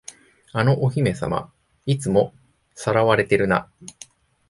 あのお姫様、いつも掠われてるな。